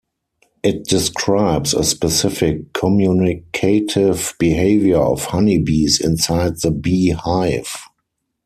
It describes a specific communicative behavior of honey bees inside the bee hive.